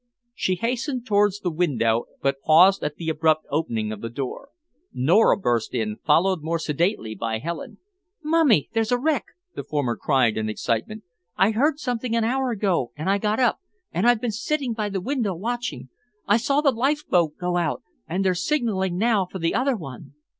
She hastened towards the window, but paused at the abrupt opening of the door. Nora burst in, followed more sedately by Helen. "Mummy, there's a wreck!" the former cried in excitement. "I heard something an hour ago, and I got up, and I've been sitting by the window, watching. I saw the lifeboat go out, and they're signalling now for the other one."